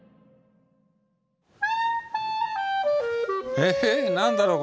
え何だろう？